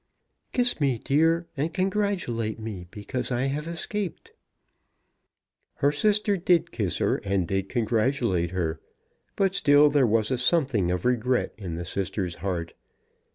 Kiss me, dear, and congratulate me; because I have escaped." Her sister did kiss her and did congratulate her; but still there was a something of regret in the sister's heart.